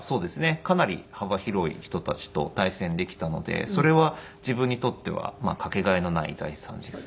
かなり幅広い人たちと対戦できたのでそれは自分にとっては掛け替えのない財産です。